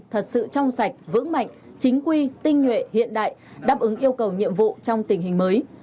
thật sự trong sạch vững mạnh chính quy tinh nhuệ hiện đại đáp ứng yêu cầu nhiệm vụ trong tình hình mới